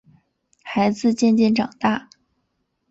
孩子渐渐长大